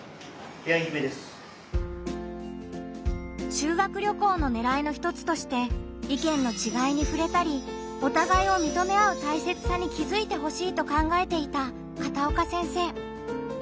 修学旅行のねらいの一つとして意見の違いにふれたりお互いを認め合うたいせつさに気づいてほしいと考えていた片岡先生。